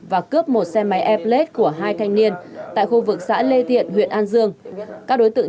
và cướp một xe máy airblade của hai thanh niên tại khu vực xã lê thiện huyện an dương các đối tượng